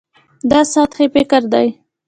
دا سطحي فکر دی.